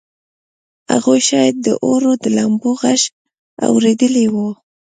هغوی شاید د اور د لمبو غږ اورېدلی و